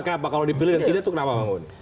kalau dipilih nanti dia tuh kenapa bangun